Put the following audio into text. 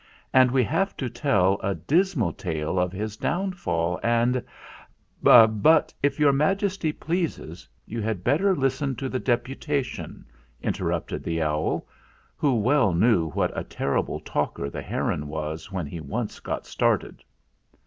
"And we have to tell a dis mal tale of his downfall and " "But, if Your Majesty pleases, you had bet ter listen to the Deputation," interrupted the owl, who well knew what a terrible talker the heron was when he once got started.